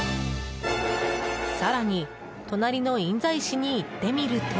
更に、隣の印西市に行ってみると。